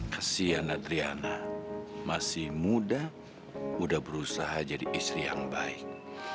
kesianlah triana masih muda udah berusaha jadi istri yang baik